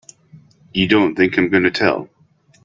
You don't think I'm gonna tell!